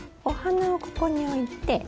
お花をここに置いて。